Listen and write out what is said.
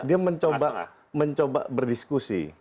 dia mencoba berdiskusi